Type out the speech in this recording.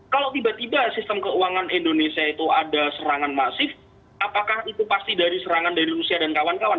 kalau tiba tiba sistem keuangan indonesia itu ada serangan masif apakah itu pasti dari serangan dari rusia dan kawan kawan